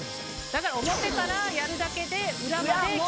だから表からやるだけで裏までキレイになる。